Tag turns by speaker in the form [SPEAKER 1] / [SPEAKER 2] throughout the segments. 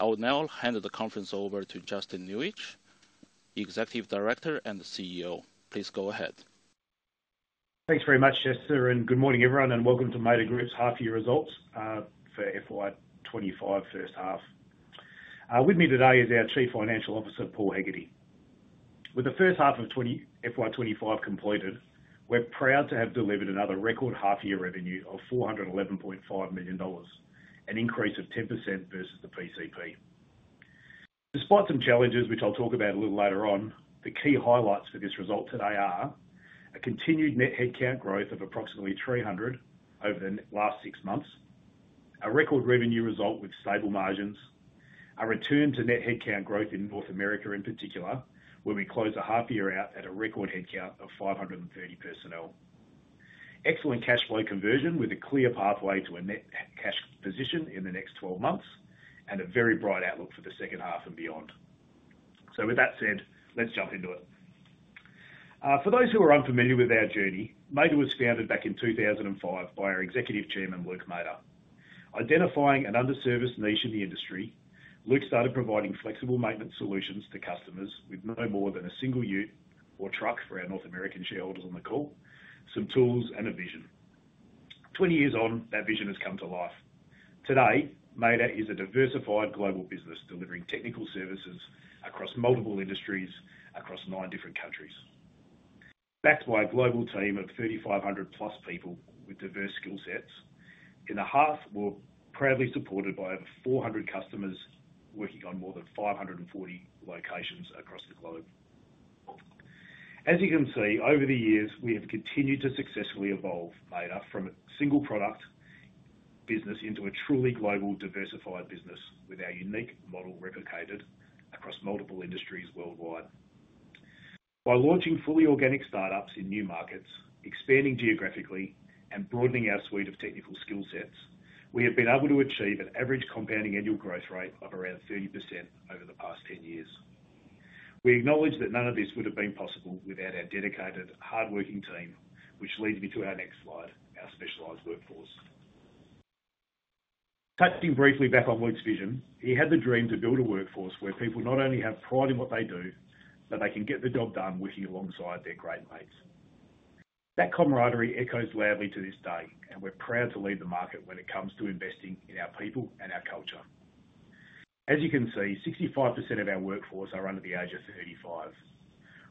[SPEAKER 1] I will now hand the conference over to Justin Nuich, Executive Director and CEO. Please go ahead.
[SPEAKER 2] Thanks very much, Chester, and good morning everyone, and welcome to Mader Group's half-year results for FY25 first half. With me today is our Chief Financial Officer, Paul Hegarty. With the first half of FY25 completed, we're proud to have delivered another record half-year revenue of 411.5 million dollars, an increase of 10% versus the PCP. Despite some challenges, which I'll talk about a little later on, the key highlights for this result today are a continued net headcount growth of approximately 300 over the last six months, a record revenue result with stable margins, a return to net headcount growth in North America in particular, where we close the half-year out at a record headcount of 530 personnel, excellent cash flow conversion with a clear pathway to a net cash position in the next 12 months, and a very bright outlook for the second half and beyond. So with that said, let's jump into it. For those who are unfamiliar with our journey, Mader was founded back in 2005 by our Executive Chairman, Luke Mader. Identifying an underserviced niche in the industry, Luke started providing flexible maintenance solutions to customers with no more than a single ute or truck for our North American shareholders on the call, some tools, and a vision. Twenty years on, that vision has come to life. Today, Mader is a diversified global business delivering technical services across multiple industries across nine different countries. Backed by a global team of 3,500 plus people with diverse skill sets, in the half we're proudly supported by over 400 customers working on more than 540 locations across the globe. As you can see, over the years, we have continued to successfully evolve Mader from a single product business into a truly global diversified business with our unique model replicated across multiple industries worldwide. By launching fully organic startups in new markets, expanding geographically, and broadening our suite of technical skill sets, we have been able to achieve an average compounding annual growth rate of around 30% over the past 10 years. We acknowledge that none of this would have been possible without our dedicated, hardworking team, which leads me to our next slide, our specialized workforce. Touching briefly back on Luke's vision, he had the dream to build a workforce where people not only have pride in what they do, but they can get the job done working alongside their great mates. That camaraderie echoes loudly to this day, and we're proud to lead the market when it comes to investing in our people and our culture. As you can see, 65% of our workforce are under the age of 35.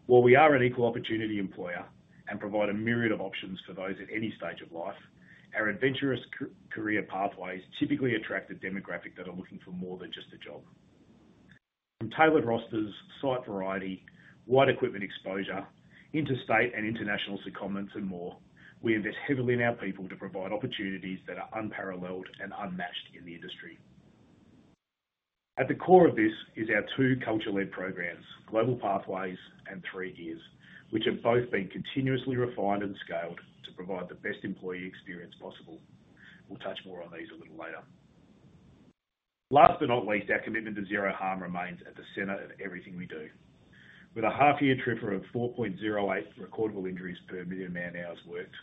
[SPEAKER 2] While we are an equal opportunity employer and provide a myriad of options for those at any stage of life, our adventurous career pathways typically attract a demographic that are looking for more than just a job. From tailored rosters, site variety, wide equipment exposure, interstate and international secondments, and more, we invest heavily in our people to provide opportunities that are unparalleled and unmatched in the industry. At the core of this is our two culture-led programs, Global Pathways and Three Gears, which have both been continuously refined and scaled to provide the best employee experience possible. We'll touch more on these a little later. Last but not least, our commitment to zero harm remains at the center of everything we do. With a half-year TRIFR of 4.08 recordable injuries per million man-hours worked,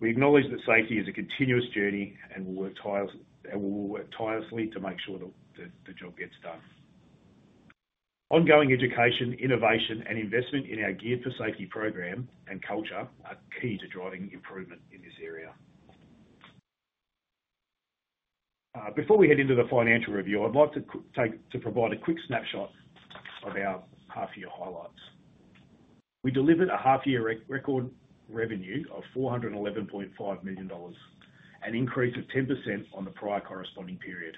[SPEAKER 2] we acknowledge that safety is a continuous journey and we'll work tirelessly to make sure that the job gets done. Ongoing education, innovation, and investment in our Geared for Safety program and culture are key to driving improvement in this area. Before we head into the financial review, I'd like to provide a quick snapshot of our half-year highlights. We delivered a half-year record revenue of 411.5 million dollars, an increase of 10% on the prior corresponding period.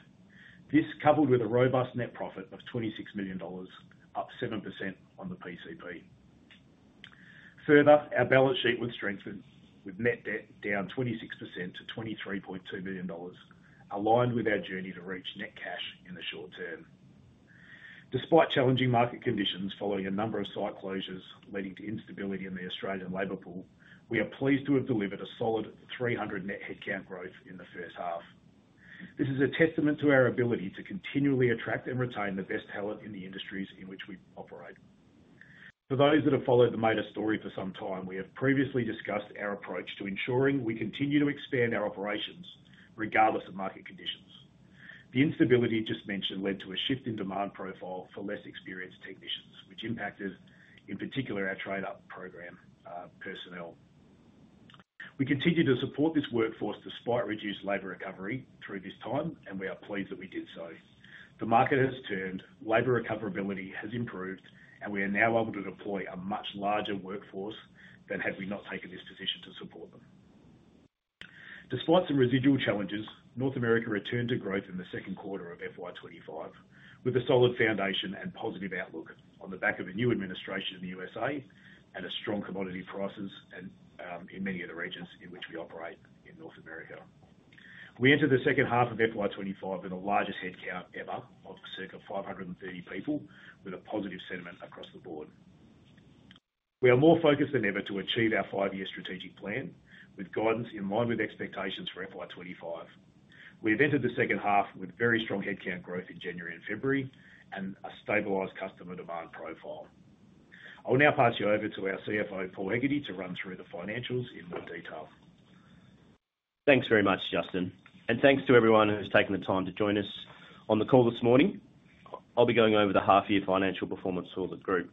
[SPEAKER 2] This coupled with a robust net profit of 26 million dollars, up 7% on the PCP. Further, our balance sheet was strengthened with net debt down 26% to 23.2 million dollars, aligned with our journey to reach net cash in the short term. Despite challenging market conditions following a number of site closures leading to instability in the Australian labor pool, we are pleased to have delivered a solid 300 net headcount growth in the first half. This is a testament to our ability to continually attract and retain the best talent in the industries in which we operate. For those that have followed the Mader story for some time, we have previously discussed our approach to ensuring we continue to expand our operations regardless of market conditions. The instability just mentioned led to a shift in demand profile for less experienced technicians, which impacted in particular our Trade Up program personnel. We continue to support this workforce despite reduced labor recovery through this time, and we are pleased that we did so. The market has turned, labor recoverability has improved, and we are now able to deploy a much larger workforce than had we not taken this position to support them. Despite some residual challenges, North America returned to growth in the second quarter of FY25 with a solid foundation and positive outlook on the back of a new administration in the USA and a strong commodity prices in many of the regions in which we operate in North America. We entered the second half of FY25 with the largest headcount ever of circa 530 people, with a positive sentiment across the board. We are more focused than ever to achieve our five-year strategic plan with guidance in line with expectations for FY25. We have entered the second half with very strong headcount growth in January and February and a stabilized customer demand profile. I will now pass you over to our CFO, Paul Hegarty, to run through the financials in more detail.
[SPEAKER 3] Thanks very much, Justin. And thanks to everyone who's taken the time to join us on the call this morning. I'll be going over the half-year financial performance for the group.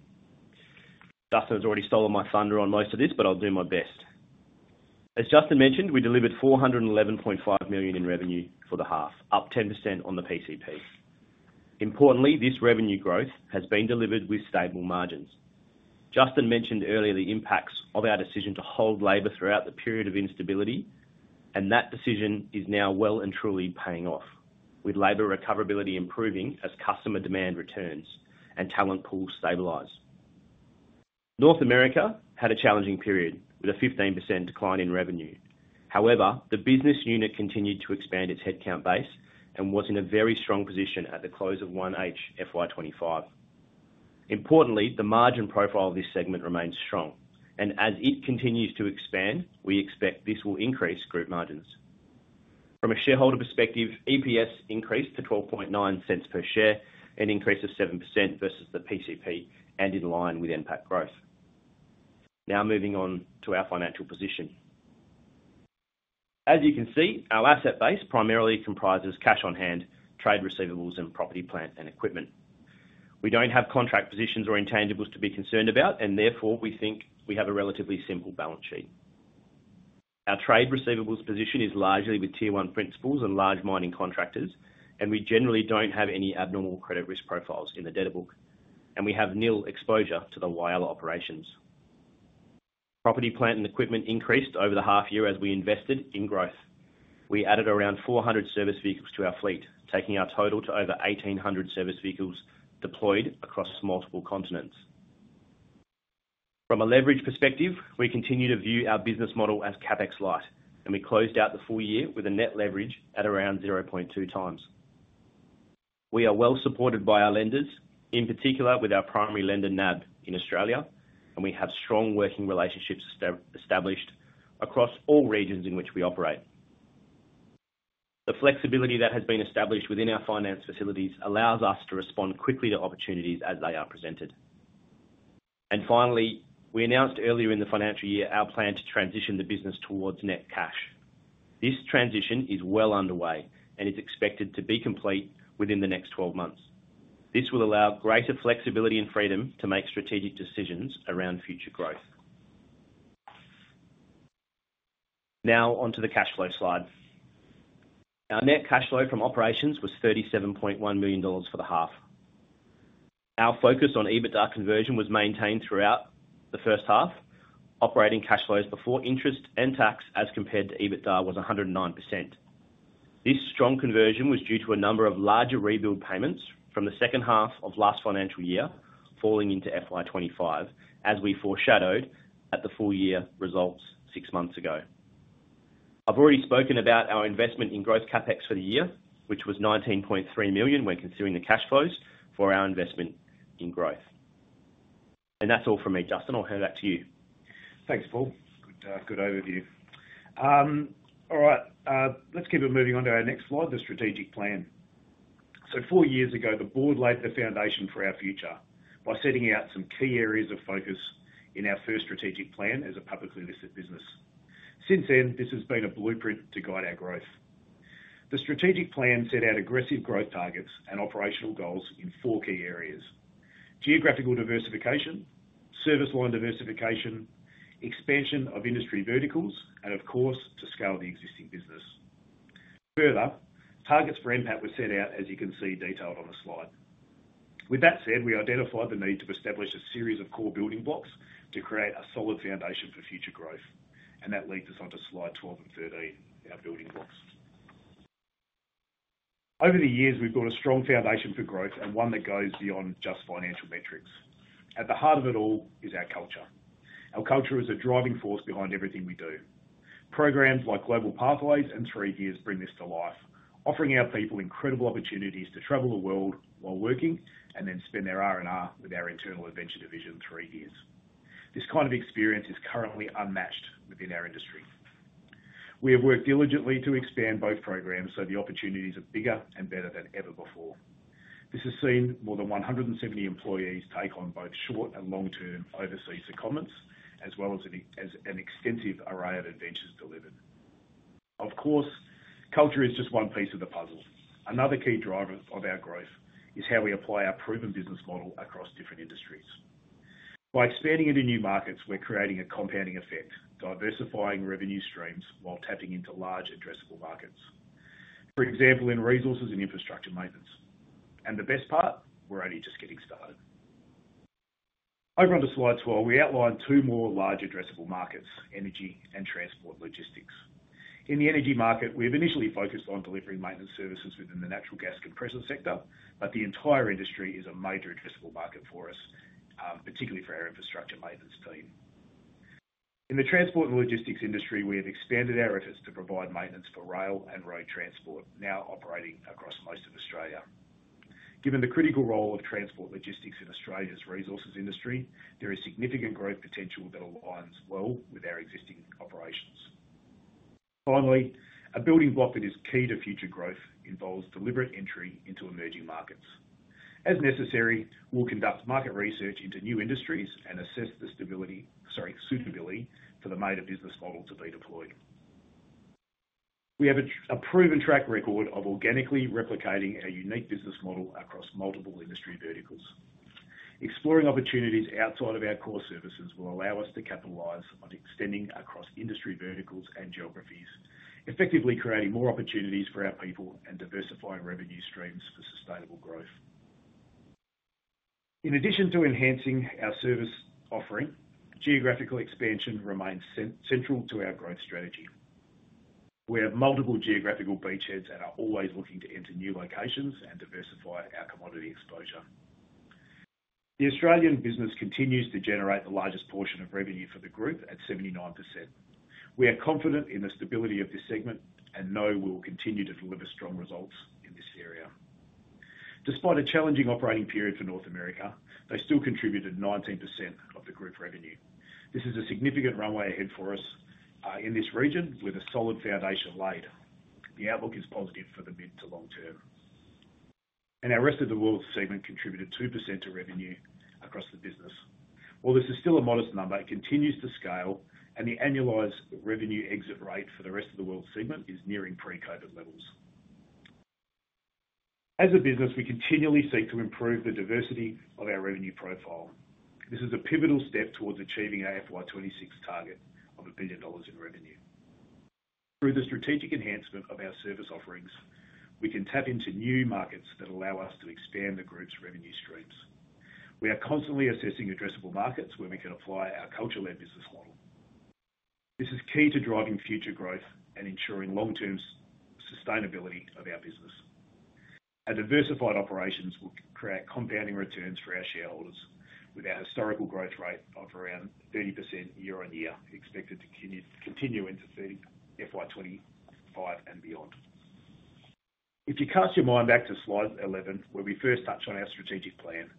[SPEAKER 3] Justin has already stolen my thunder on most of this, but I'll do my best. As Justin mentioned, we delivered 411.5 million in revenue for the half, up 10% on the PCP. Importantly, this revenue growth has been delivered with stable margins. Justin mentioned earlier the impacts of our decision to hold labor throughout the period of instability, and that decision is now well and truly paying off with labor recoverability improving as customer demand returns and talent pools stabilize. North America had a challenging period with a 15% decline in revenue. However, the business unit continued to expand its headcount base and was in a very strong position at the close of 1H FY25. Importantly, the margin profile of this segment remains strong, and as it continues to expand, we expect this will increase group margins. From a shareholder perspective, EPS increased to 0.129 per share, an increase of 7% versus the PCP and in line with NPAT growth. Now moving on to our financial position. As you can see, our asset base primarily comprises cash on hand, trade receivables, and property, plant and equipment. We don't have contract positions or intangibles to be concerned about, and therefore we think we have a relatively simple balance sheet. Our trade receivables position is largely with Tier One principals and large mining contractors, and we generally don't have any abnormal credit risk profiles in the debtor book, and we have nil exposure to the iron ore operations. Property, plant and equipment increased over the half year as we invested in growth. We added around 400 service vehicles to our fleet, taking our total to over 1,800 service vehicles deployed across multiple continents. From a leverage perspective, we continue to view our business model as CapEx light, and we closed out the full year with a net leverage at around 0.2 times. We are well supported by our lenders, in particular with our primary lender, NAB, in Australia, and we have strong working relationships established across all regions in which we operate. The flexibility that has been established within our finance facilities allows us to respond quickly to opportunities as they are presented. Finally, we announced earlier in the financial year our plan to transition the business towards net cash. This transition is well underway, and it's expected to be complete within the next 12 months. This will allow greater flexibility and freedom to make strategic decisions around future growth. Now onto the cash flow slide. Our net cash flow from operations was 37.1 million dollars for the half. Our focus on EBITDA conversion was maintained throughout the first half. Operating cash flows before interest and tax as compared to EBITDA was 109%. This strong conversion was due to a number of larger rebuild payments from the second half of last financial year falling into FY25, as we foreshadowed at the full year results six months ago. I've already spoken about our investment in growth CapEx for the year, which was 19.3 million when considering the cash flows for our investment in growth. And that's all from me, Justin. I'll hand it back to you.
[SPEAKER 2] Thanks, Paul. Good overview. All right, let's keep on moving on to our next slide, the strategic plan. So four years ago, the board laid the foundation for our future by setting out some key areas of focus in our first strategic plan as a publicly listed business. Since then, this has been a blueprint to guide our growth. The strategic plan set out aggressive growth targets and operational goals in four key areas: geographical diversification, service line diversification, expansion of industry verticals, and of course, to scale the existing business. Further, targets for impact were set out, as you can see detailed on the slide. With that said, we identified the need to establish a series of core building blocks to create a solid foundation for future growth, and that leads us on to slide 12 and 13, our building blocks. Over the years, we've built a strong foundation for growth and one that goes beyond just financial metrics. At the heart of it all is our culture. Our culture is a driving force behind everything we do. Programs like Global Pathways and Three Gears bring this to life, offering our people incredible opportunities to travel the world while working and then spend their R&R with our internal adventure division, Three Gears. This kind of experience is currently unmatched within our industry. We have worked diligently to expand both programs so the opportunities are bigger and better than ever before. This has seen more than 170 employees take on both short and long-term overseas secondments, as well as an extensive array of adventures delivered. Of course, culture is just one piece of the puzzle. Another key driver of our growth is how we apply our proven business model across different industries. By expanding into new markets, we're creating a compounding effect, diversifying revenue streams while tapping into large addressable markets. For example, in resources and infrastructure maintenance. And the best part, we're only just getting started. Over on to slide 12, we outline two more large addressable markets: energy and transport logistics. In the energy market, we have initially focused on delivering maintenance services within the natural gas compressor sector, but the entire industry is a major addressable market for us, particularly for our infrastructure maintenance team. In the transport and logistics industry, we have expanded our efforts to provide maintenance for rail and road transport, now operating across most of Australia. Given the critical role of transport logistics in Australia's resources industry, there is significant growth potential that aligns well with our existing operations. Finally, a building block that is key to future growth involves deliberate entry into emerging markets. As necessary, we'll conduct market research into new industries and assess the suitability for the Mader business model to be deployed. We have a proven track record of organically replicating our unique business model across multiple industry verticals. Exploring opportunities outside of our core services will allow us to capitalize on extending across industry verticals and geographies, effectively creating more opportunities for our people and diversifying revenue streams for sustainable growth. In addition to enhancing our service offering, geographical expansion remains central to our growth strategy. We have multiple geographical beachheads and are always looking to enter new locations and diversify our commodity exposure. The Australian business continues to generate the largest portion of revenue for the group at 79%. We are confident in the stability of this segment and know we will continue to deliver strong results in this area. Despite a challenging operating period for North America, they still contributed 19% of the group revenue. This is a significant runway ahead for us in this region with a solid foundation laid. The outlook is positive for the mid to long term, and our Rest of the World segment contributed 2% to revenue across the business. While this is still a modest number, it continues to scale, and the annualized revenue exit rate for the Rest of the World segment is nearing pre-COVID levels. As a business, we continually seek to improve the diversity of our revenue profile. This is a pivotal step towards achieving our FY26 target of 1 billion dollars in revenue. Through the strategic enhancement of our service offerings, we can tap into new markets that allow us to expand the group's revenue streams. We are constantly assessing addressable markets where we can apply our culture-led business model. This is key to driving future growth and ensuring long-term sustainability of our business. Our diversified operations will create compounding returns for our shareholders with our historical growth rate of around 30% year on year expected to continue into FY25 and beyond. If you cast your mind back to slide 11, where we first touched on our strategic plan,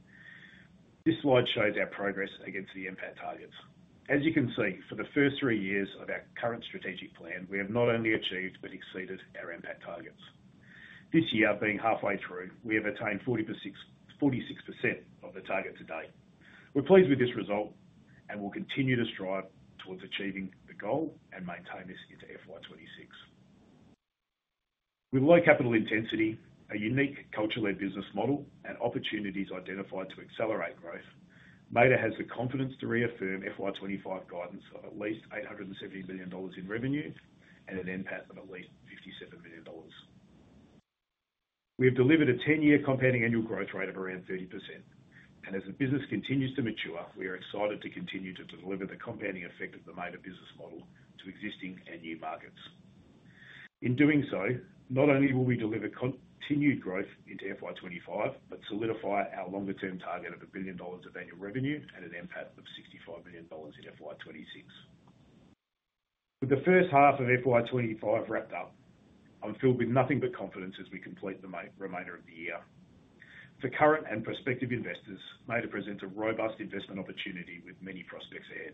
[SPEAKER 2] this slide shows our progress against the impact targets. As you can see, for the first three years of our current strategic plan, we have not only achieved but exceeded our impact targets. This year, being halfway through, we have attained 46% of the target to date. We're pleased with this result and will continue to strive towards achieving the goal and maintain this into FY26. With low capital intensity, a unique culture-led business model, and opportunities identified to accelerate growth, Mader has the confidence to reaffirm FY25 guidance of at least 870 million dollars in revenue and an EBITDA of at least 57 million dollars. We have delivered a 10-year compounding annual growth rate of around 30%., and as the business continues to mature, we are excited to continue to deliver the compounding effect of the Mader business model to existing and new markets. In doing so, not only will we deliver continued growth into FY25, but solidify our longer-term target of 1 billion dollars of annual revenue and an EBITDA of 65 million dollars in FY26. With the first half of FY25 wrapped up, I'm filled with nothing but confidence as we complete the remainder of the year. For current and prospective investors, Mader presents a robust investment opportunity with many prospects ahead.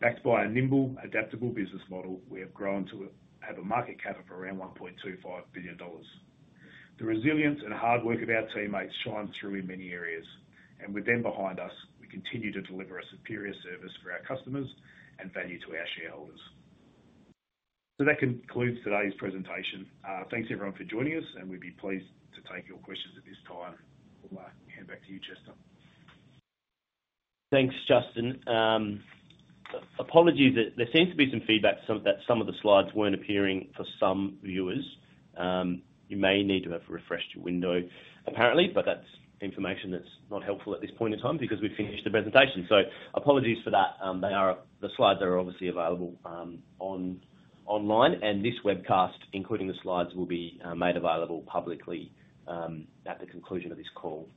[SPEAKER 2] Backed by a nimble, adaptable business model, we have grown to have a market cap of around 1.25 billion dollars. The resilience and hard work of our teammates shine through in many areas. With them behind us, we continue to deliver a superior service for our customers and value to our shareholders. That concludes today's presentation. Thanks, everyone, for joining us, and we'd be pleased to take your questions at this time. I'll hand it back to you, Justin.
[SPEAKER 3] Thanks, Justin. Apologies. There seems to be some feedback that some of the slides weren't appearing for some viewers. You may need to have refreshed your window, apparently, but that's information that's not helpful at this point in time because we've finished the presentation. So apologies for that. The slides are obviously available online, and this webcast, including the slides, will be made available publicly at the conclusion of this call.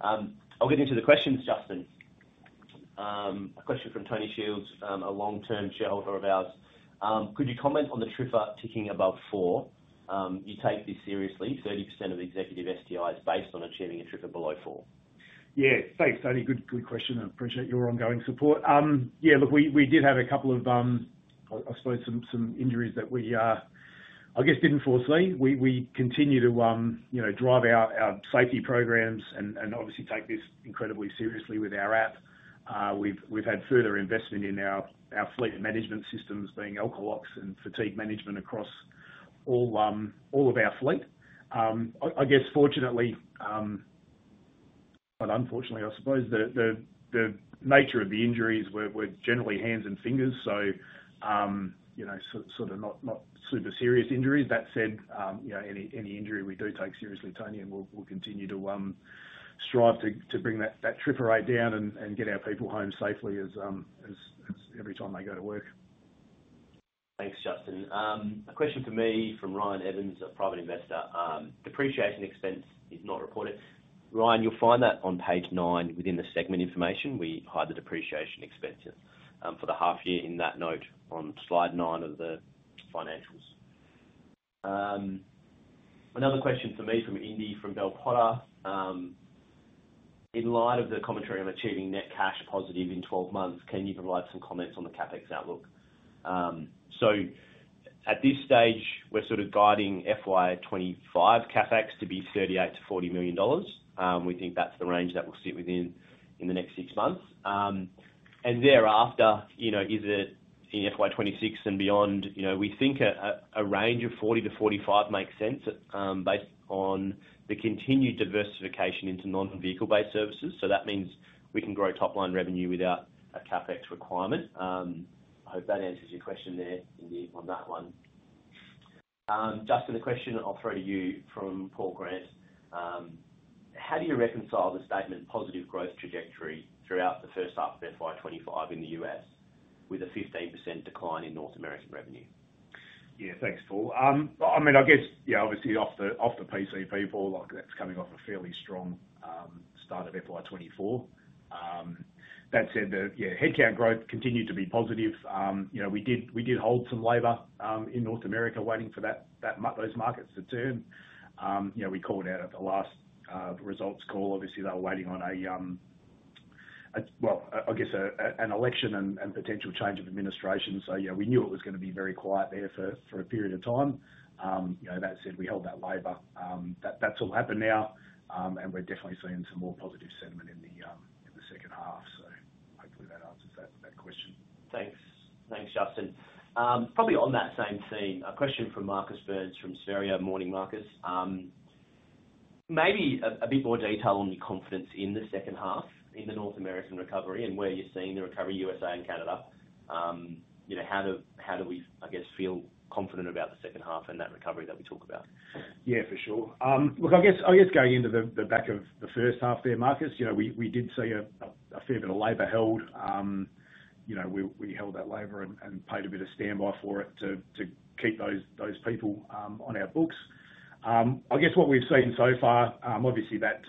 [SPEAKER 3] I'll get into the questions, Justin. A question from Tony Shields, a long-term shareholder of ours. "Could you comment on the TRIFR ticking above four? You take this seriously. 30% of executive STIs based on achieving a TRIFR below four.
[SPEAKER 2] Yeah. Thanks, Tony. Good question. I appreciate your ongoing support. Yeah, look, we did have a couple of, I suppose, some injuries that we, I guess, didn't foresee. We continue to drive our safety programs and obviously take this incredibly seriously with our app. We've had further investment in our fleet management systems, being Alcolocks and fatigue management across all of our fleet. I guess, fortunately, not unfortunately, I suppose, the nature of the injuries were generally hands and fingers, so sort of not super serious injuries. That said, any injury, we do take seriously, Tony, and we'll continue to strive to bring that TRIFR rate down and get our people home safely every time they go to work.
[SPEAKER 3] Thanks, Justin. A question for me from Ryan Evans, a private investor. "Depreciation expense is not reported." Ryan, you'll find that on page nine within the segment information. We hide the depreciation expenses for the half year in that note on slide nine of the financials. Another question for me from Indi from Bell Potter. "In light of the commentary on achieving net cash positive in 12 months, can you provide some comments on the CapEx outlook?" So at this stage, we're sort of guiding FY25 CapEx to be 38 million-40 million dollars. We think that's the range that we'll sit within in the next six months. And thereafter, is it in FY26 and beyond? We think a range of 40 million-45 million makes sense based on the continued diversification into non-vehicle-based services. So that means we can grow top-line revenue without a CapEx requirement. I hope that answers your question there, Indi, on that one. Justin, a question I'll throw to you from Paul Grant. "How do you reconcile the statement positive growth trajectory throughout the first half of FY25 in the US with a 15% decline in North American revenue?
[SPEAKER 2] Yeah, thanks, Paul. I mean, I guess, yeah, obviously off the PCP ball. That's coming off a fairly strong start of FY24. That said, yeah, headcount growth continued to be positive. We did hold some labor in North America waiting for those markets to turn. We called out at the last results call. Obviously, they were waiting on, well, I guess, an election and potential change of administration. So yeah, we knew it was going to be very quiet there for a period of time. That said, we held that labor. That's all happened now, and we're definitely seeing some more positive sentiment in the second half. So hopefully, that answers that question.
[SPEAKER 3] Thanks. Thanks, Justin. Probably on that same theme, a question from Marcus Burns from Spheria. Morning, Marcus. Maybe a bit more detail on your confidence in the second half in the North American recovery and where you're seeing the recovery in the USA and Canada. How do we, I guess, feel confident about the second half and that recovery that we talk about?
[SPEAKER 2] Yeah, for sure. Look, I guess going into the back of the first half there, Marcus, we did see a fair bit of labor held. We held that labor and paid a bit of standby for it to keep those people on our books. I guess what we've seen so far, obviously, that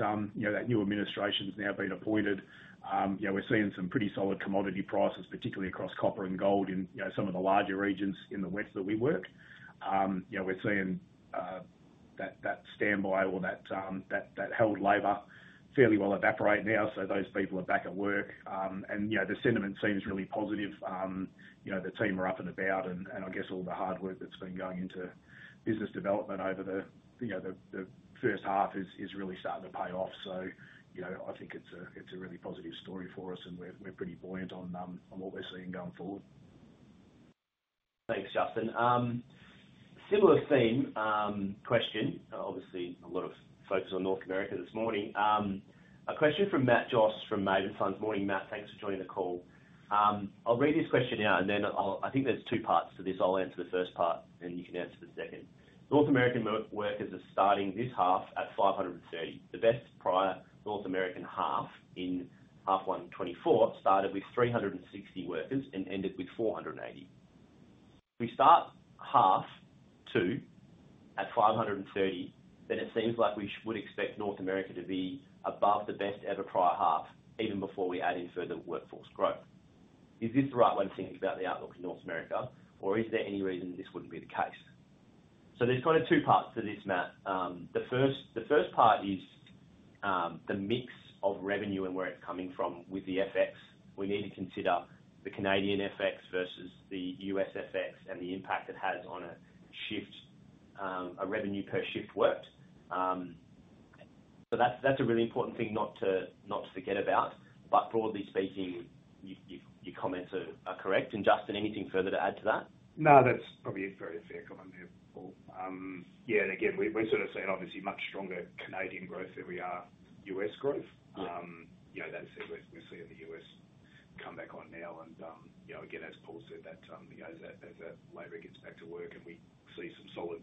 [SPEAKER 2] new administration has now been appointed. We're seeing some pretty solid commodity prices, particularly across copper and gold in some of the larger regions in the west that we work. We're seeing that standby or that held labor fairly well evaporate now. So those people are back at work. And the sentiment seems really positive. The team are up and about, and I guess all the hard work that's been going into business development over the first half is really starting to pay off. So I think it's a really positive story for us, and we're pretty buoyant on what we're seeing going forward.
[SPEAKER 3] Thanks, Justin. Similar theme question. Obviously, a lot of focus on North America this morning. A question from Matt Joass from Maven Funds. Morning, Matt. Thanks for joining the call. I'll read this question out, and then I think there's two parts to this. I'll answer the first part, and you can answer the second. "North American workers are starting this half at 530. The best prior North American half in half 124 started with 360 workers and ended with 480. If we start half two at 530, then it seems like we would expect North America to be above the best ever prior half even before we add in further workforce growth. Is this the right way to think about the outlook in North America, or is there any reason this wouldn't be the case?" So there's kind of two parts to this, Matt. The first part is the mix of revenue and where it's coming from with the FX. We need to consider the Canadian FX versus the US FX and the impact it has on a revenue per shift worked, so that's a really important thing not to forget about. But broadly speaking, your comments are correct, and Justin, anything further to add to that?
[SPEAKER 2] No, that's probably a very fair comment there, Paul. Yeah. And again, we're sort of seeing, obviously, much stronger Canadian growth than we are US growth. That's what we're seeing the US come back on now. And again, as Paul said, as that labor gets back to work and we see some solid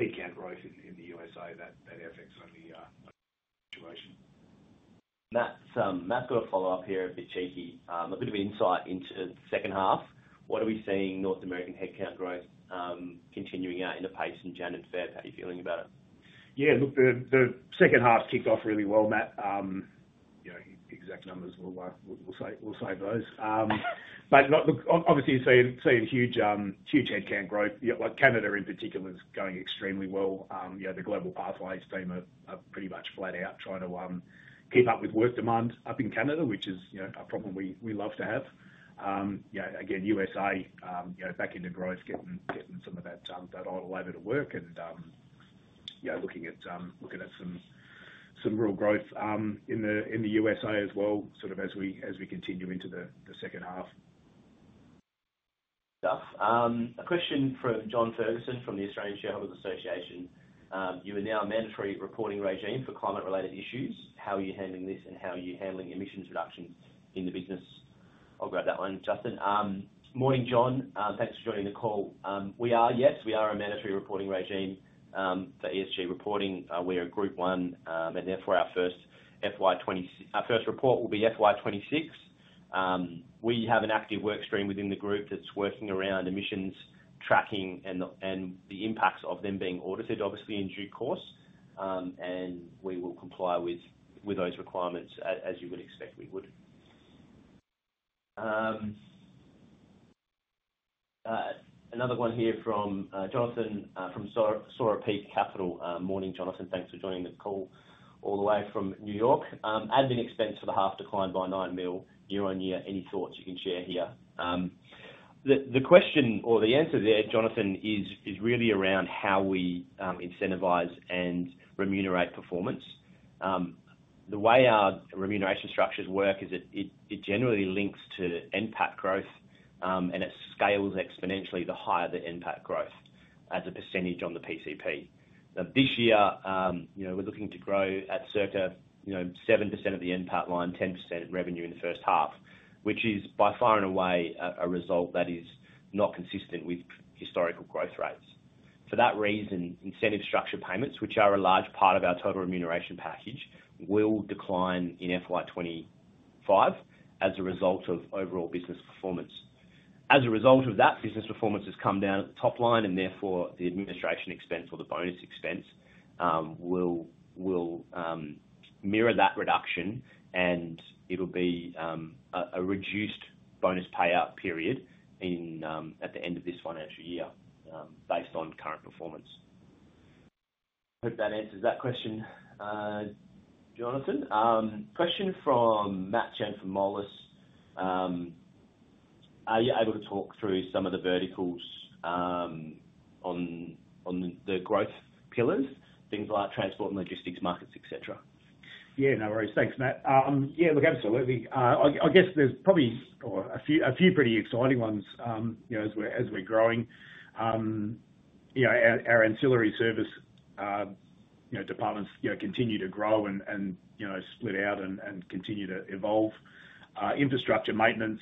[SPEAKER 2] headcount growth in the USA, that affects the situation.
[SPEAKER 3] Matt's got a follow-up here, a bit cheeky. A bit of insight into the second half. What are we seeing North American headcount growth continuing at a pace in January and February? How are you feeling about it?
[SPEAKER 2] Yeah. Look, the second half kicked off really well, Matt. Exact numbers will save those. But look, obviously, you're seeing huge headcount growth. Canada in particular is going extremely well. The Global Pathways team are pretty much flat out trying to keep up with work demand up in Canada, which is a problem we love to have. Again, USA back into growth, getting some of that idle labor to work and looking at some real growth in the USA as well, sort of as we continue into the second half.
[SPEAKER 3] A question from John Ferguson from the Australian Shareholders Association. "You are now a mandatory reporting regime for climate-related issues. How are you handling this and how are you handling emissions reductions in the business?" I'll grab that one, Justin. Morning, John. Thanks for joining the call. Yes, we are a mandatory reporting regime for ESG reporting. We are Group one, and therefore, our first report will be FY26. We have an active workstream within the group that's working around emissions tracking and the impacts of them being audited, obviously, in due course. And we will comply with those requirements as you would expect we would. Another one here from Jonathan from Sora Peak Capital. Morning, Jonathan. Thanks for joining the call all the way from New York. "Admin expense for the half declined by nine mil year on year. Any thoughts you can share here?" The question or the answer there, Jonathan, is really around how we incentivize and remunerate performance. The way our remuneration structures work is it generally links to NPAT growth, and it scales exponentially the higher the NPAT growth as a percentage on the PCP. This year, we're looking to grow at circa 7% of the NPAT line, 10% revenue in the first half, which is by far and away a result that is not consistent with historical growth rates. For that reason, incentive structure payments, which are a large part of our total remuneration package, will decline in FY25 as a result of overall business performance. As a result of that, business performance has come down at the top line, and therefore, the administration expense or the bonus expense will mirror that reduction, and it'll be a reduced bonus payout period at the end of this financial year based on current performance. Hope that answers that question, Jonathan. Question from Matt Chan from Moelis. "Are you able to talk through some of the verticals on the growth pillars, things like transport and logistics markets, etc.?
[SPEAKER 2] Yeah, no worries. Thanks, Matt. Yeah, look, absolutely. I guess there's probably a few pretty exciting ones as we're growing. Our ancillary service departments continue to grow and split out and continue to evolve. Infrastructure maintenance,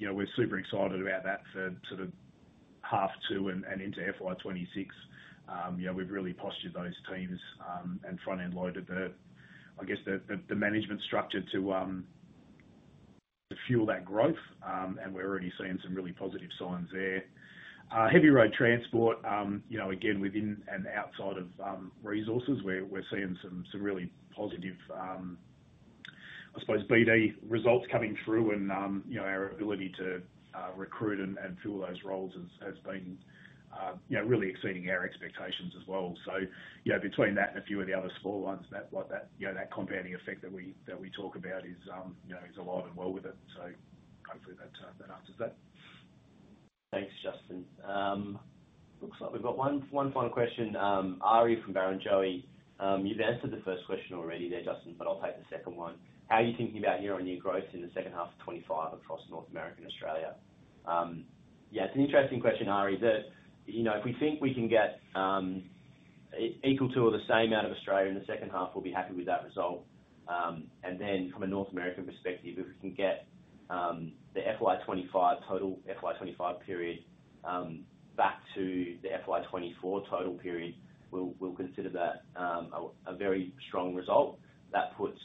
[SPEAKER 2] we're super excited about that for sort of half two and into FY26. We've really postured those teams and front-end loaded the, I guess, the management structure to fuel that growth, and we're already seeing some really positive signs there. Heavy road transport, again, within and outside of resources, we're seeing some really positive, I suppose, BD results coming through, and our ability to recruit and fill those roles has been really exceeding our expectations as well. So between that and a few of the other small ones, that compounding effect that we talk about is alive and well with it. So hopefully, that answers that.
[SPEAKER 3] Thanks, Justin. Looks like we've got one final question. Ari from Barrenjoey. You've answered the first question already there, Justin, but I'll take the second one. "How are you thinking about year-on-year growth in the second half of 2025 across North America and Australia?" Yeah, it's an interesting question, Ari, that if we think we can get equal to or the same out of Australia in the second half, we'll be happy with that result. And then from a North American perspective, if we can get the FY25 total, FY25 period back to the FY24 total period, we'll consider that a very strong result. That puts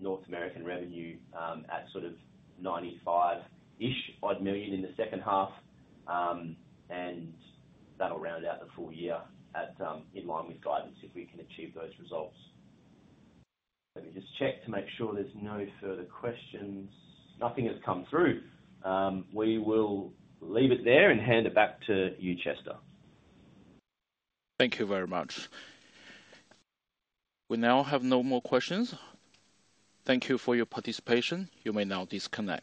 [SPEAKER 3] North American revenue at sort of 95-ish odd million in the second half, and that'll round out the full year in line with guidance if we can achieve those results. Let me just check to make sure there's no further questions. Nothing has come through. We will leave it there and hand it back to you, Chester.
[SPEAKER 1] Thank you very much. We now have no more questions. Thank you for your participation. You may now disconnect.